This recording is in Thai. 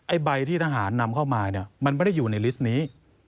ใบที่ทหารนำเข้ามาเนี่ยมันไม่ได้อยู่ในลิสต์นี้